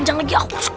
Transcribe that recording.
ini yang kita harus ya